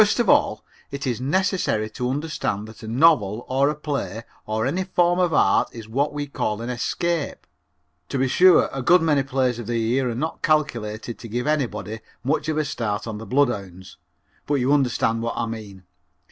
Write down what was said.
First of all, it is necessary to understand that a novel or a play or any form of art is what we call an escape. To be sure, a good many plays of the year are not calculated to give anybody much of a start on the bloodhounds, but you understand what I mean.